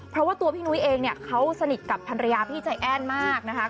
เพราะว่าตัวพี่นุ้ยเองเนี่ยเขาสนิทกับภรรยาพี่ใจแอ้นมากนะคะ